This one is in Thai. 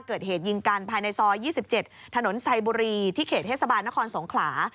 เกิดเหตุยิงกันภายในซอย๒๗ถนนไซบุรีที่เขตเทศบาลนครสงขลา